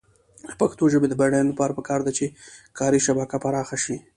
د پښتو ژبې د بډاینې لپاره پکار ده چې کاري شبکه پراخه شي.